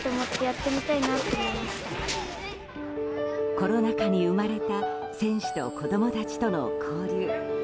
コロナ禍に生まれた選手と子供たちとの交流。